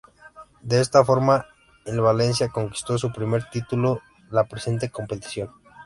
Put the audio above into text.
De esta forma el Valencia conquistó su primer título de la presente competición.